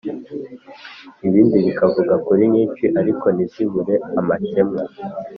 ibindi bikavuga kuri nyinshi ariko ntizibure amakemwa